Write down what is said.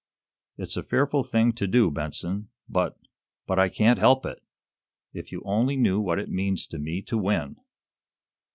"It's a fearful thing to do, Benson, but but I can't help it! If you only knew what it means to me to win!"